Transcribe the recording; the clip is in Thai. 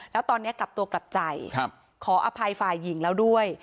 แล้วตอนนี้กลับตัวกลับใจขออภัยฝ่ายหญิงแล้วด้วย